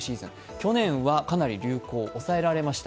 去年はかなり流行が抑えられました。